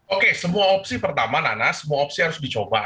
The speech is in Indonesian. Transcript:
oke semua opsi pertama nana semua opsi harus dicoba